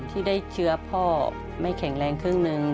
ที่ได้เชื้อพ่อไม่แข็งแรงครึ่งหนึ่ง